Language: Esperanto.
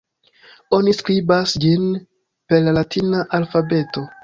Oni skribas ĝin per la latina alfabeto.